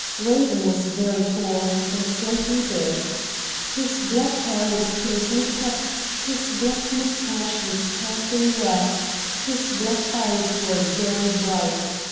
Raven was very tall, and shghtly built. 90 RED DIAMONDS His black hair was closely cut ; his black moustache was carefully waxed ; his black eyes were very bright.